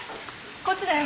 こっちだよ。